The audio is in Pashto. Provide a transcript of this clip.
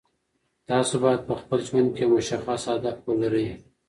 تاسو باید په خپل ژوند کې یو مشخص هدف ولرئ.